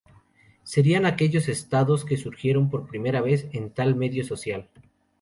Serían aquellos estados que surgieron por primera vez en tal medio social.